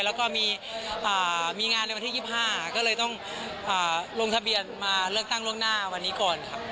แล้วก็มีงานในวันที่๒๕ก็เลยต้องลงทะเบียนมาเลือกตั้งล่วงหน้าวันนี้ก่อนครับ